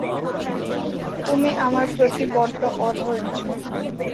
তুমি আমার প্রতি বড্ড অধৈর্য্য।